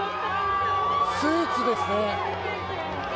スーツですね。